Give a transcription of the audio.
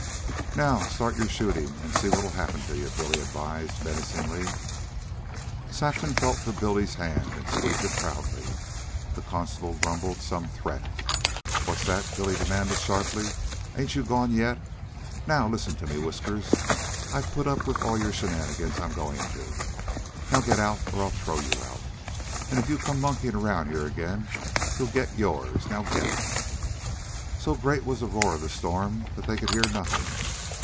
"Now start your shootin' an' see what'll happen to you," Billy advised menacingly. Saxon felt for Billy's hand and squeezed it proudly. The constable grumbled some threat. "What's that?" Billy demanded sharply. "Ain't you gone yet? Now listen to me, Whiskers. I've put up with all your shenanigan I'm goin' to. Now get out or I'll throw you out. An' if you come monkeyin' around here again you'll get yours. Now get!" So great was the roar of the storm that they could hear nothing.